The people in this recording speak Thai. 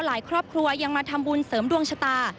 ครอบครัวยังมาทำบุญเสริมดวงชะตา